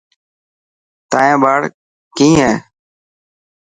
تايان ٻاڙ ڪئي هي.